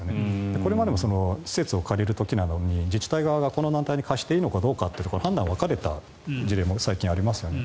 これまでも施設を借りる時に自治体がこの団体に貸していいのか判断が分かれた事例もありますよね。